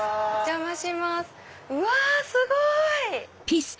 うわすごい！